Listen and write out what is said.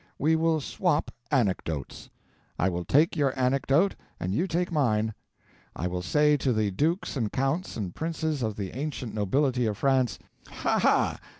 We will swap anecdotes. I will take your anecdote and you take mine. I will say to the dukes and counts and princes of the ancient nobility of France: "Ha, ha!